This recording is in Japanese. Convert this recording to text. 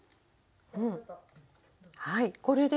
はいこれで。